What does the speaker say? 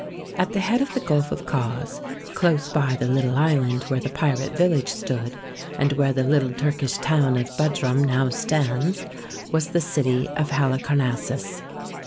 At the head of the Gulf of Cos, close by the little island where the pirate village stood, and where the little Turkish town of Budrum now stands, was the city of Halicarnassus.